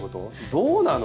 どうなの？